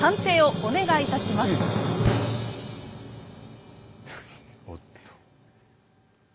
おっと。